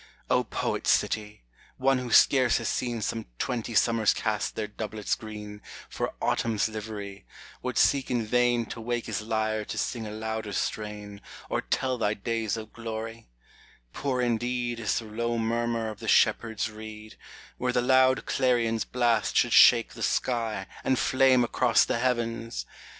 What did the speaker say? O poet's city ! one who scarce has seen Some twenty summers cast their doublets green, For Autumn's livery, would seek in vain To wake his lyre to sing a louder strain, Or tell thy days of glory ;— poor indeed Is the low murmur of the shepherd's reed, Where the loud clarion's blast should shake the sky, And flame across the heavens